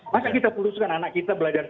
masa kita putuskan anak kita belajar